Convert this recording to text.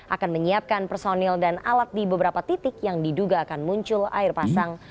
akan menyiapkan personil dan alat di beberapa titik yang diduga akan muncul air pasang